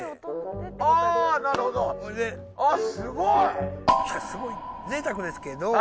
いやすごいぜいたくですけど。